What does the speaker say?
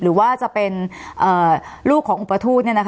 หรือว่าจะเป็นลูกของอุปทูต